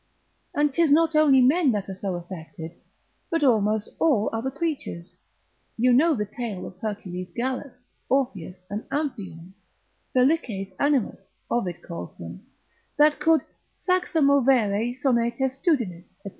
And 'tis not only men that are so affected, but almost all other creatures. You know the tale of Hercules Gallus, Orpheus, and Amphion, felices animas Ovid calls them, that could saxa movere sono testudinis, &c.